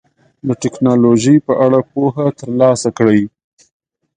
د ټکنالوژۍ په اړه پوهه ترلاسه کړئ.